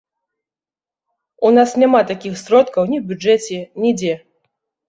У нас няма такіх сродкаў, ні ў бюджэце, нідзе.